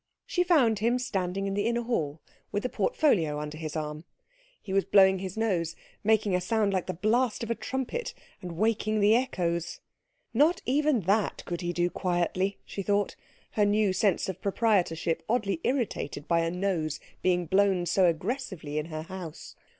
She found him standing in the inner hall with a portfolio under his arm. He was blowing his nose, making a sound like the blast of a trumpet, and waking the echoes. Not even that could he do quietly, she thought, her new sense of proprietorship oddly irritated by a nose being blown so aggressively in her house.